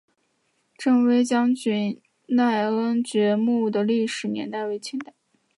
振威将军赖恩爵墓的历史年代为清代。